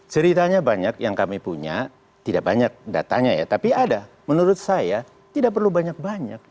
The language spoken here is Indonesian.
ceritanya banyak yang kami punya tidak banyak datanya ya tapi ada menurut saya tidak perlu banyak banyak